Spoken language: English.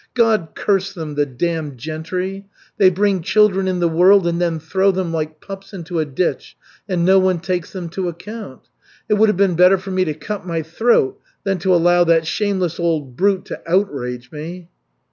God curse them, the damned gentry. They bring children in the world and then throw them like pups into a ditch, and no one takes them to account. It would have been better for me to cut my throat than to allow that shameless old brute to outrage me."